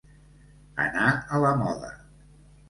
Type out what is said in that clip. Anar a la moda.